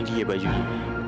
ini dia bajunya